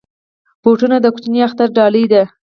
بوټونه د کوچني اختر ډالۍ ده.